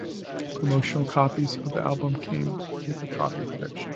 Promotional copies of the album came with copy protection.